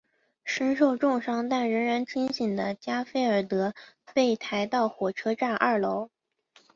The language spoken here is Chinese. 身受重伤但仍然清醒的加菲尔德被抬到火车站二楼。